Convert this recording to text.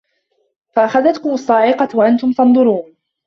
فَأَخَذَتْكُمُ الصَّاعِقَةُ وَأَنْتُمْ تَنْظُرُونَ